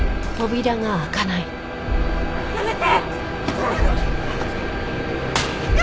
やめて！